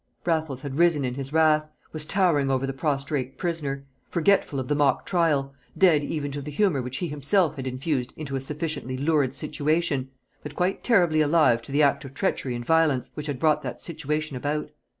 Raffles had risen in his wrath, was towering over the prostrate prisoner, forgetful of the mock trial, dead even to the humour which he himself had infused into a sufficiently lurid situation, but quite terribly alive to the act of treachery and violence which had brought that situation about.